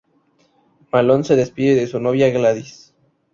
Malone se despide de su novia, Gladys.